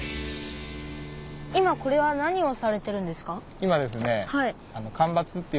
今これは何をされてるんですか？